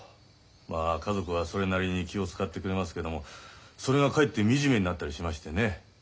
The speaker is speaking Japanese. まあ家族はそれなりに気を遣ってくれますけどもそれがかえって惨めになったりしましてね。